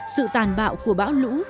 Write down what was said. sự tàn bạo của bão lũ